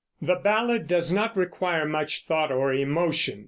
The ballad does not require much thought or emotion.